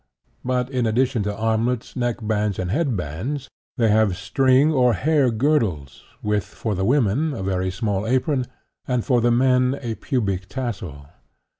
But, in addition to armlets, neck bands and head bands, they have string or hair girdles, with, for the women, a very small apron and, for the men, a pubic tassel.